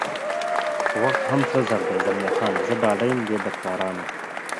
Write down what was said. خو وخت هم سره زر دی، زلمی خان: زه ډاډه یم دې بدکارانو.